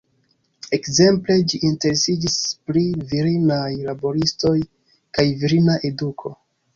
Ekzemple, ĝi interesiĝis pri virinaj laboristoj, kaj virina eduko.